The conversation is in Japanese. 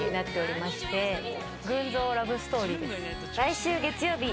来週月曜日